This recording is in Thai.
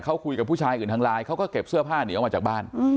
เขาคุยกับผู้ชายอื่นทางไลน์เขาก็เก็บเสื้อผ้าหนีออกมาจากบ้าน